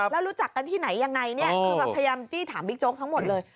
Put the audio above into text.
แล้วรู้จักกันที่ไหนยังไงเนี่ยคือแบบพยายามจี้ถามบิ๊กโจ๊กทั้งหมดเลย